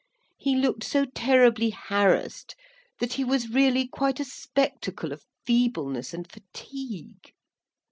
He looked so terribly harassed, that he was really quite a spectacle of feebleness and fatigue.